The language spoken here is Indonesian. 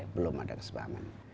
belum ada kesepahaman